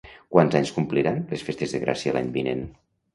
Quants anys compliran les festes de Gràcia l'any vinent?